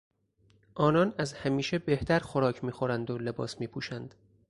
آنان از همیشه بهتر خوراک میخورند و لباس میپوشند.